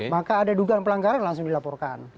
maka ada dugaan pelanggaran langsung dilaporkan